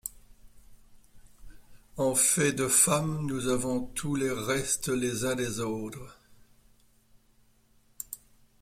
En fait de femmes, nous avons tous les restes les uns des autres.